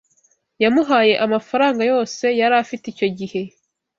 Yamuhaye amafaranga yose yari afite icyo gihe.